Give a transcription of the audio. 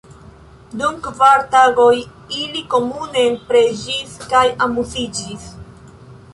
Dum kvar tagoj ili komune preĝis kaj amuziĝis.